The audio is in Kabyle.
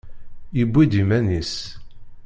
Yewwi-d iman-is.